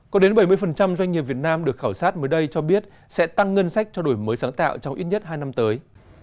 có đến bảy mươi doanh nghiệp việt nam được khảo sát mới đây cho biết sẽ tăng ngân sách cho đổi mới sáng tạo trong ít nhất hai năm tới